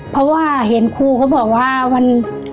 เพราะว่าเห็นครูเขาบอกว่ามัน